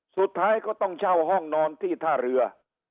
สุดท้ายก็ต้องเช่าห้องนอนที่ท่าเรือ